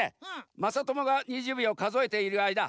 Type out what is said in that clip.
まさともが２０秒かぞえているあいだ